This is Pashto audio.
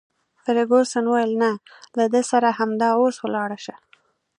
فرګوسن وویل: نه، له ده سره همدا اوس ولاړه شه.